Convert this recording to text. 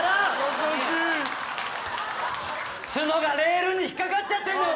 優しい角がレールに引っかかっちゃってんのよ